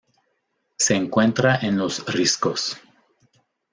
Se encuentra en los riscos.